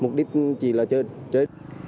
mục đích chỉ là chơi